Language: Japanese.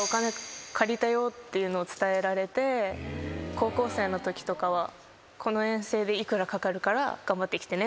っていうのを伝えられて高校生のときとかは「この遠征で幾らかかるから頑張ってきてね」